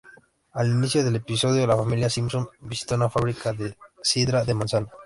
Al inicio del episodio la familia Simpson visita una fábrica de sidra de manzana.